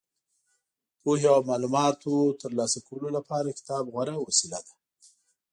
پوهې او معلوماتو ترلاسه کولو لپاره کتاب غوره وسیله ده.